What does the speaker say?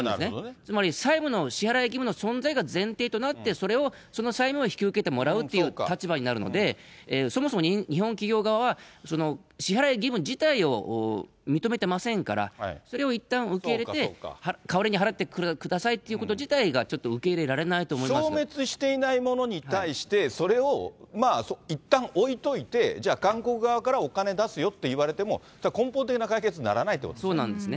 つまり、債務の支払い義務の存在が前提となって、それをその債務を引き受けてもらうという立場になるので、そもそも日本企業側は、その支払い義務自体を認めてませんから、それをいったん受け入れて、代わりに払ってくださいということ自体がちょっと受け入れられな消滅していないものに対して、それをいったん置いといて、じゃあ、韓国側からお金出すよって言われても、そうなんですね。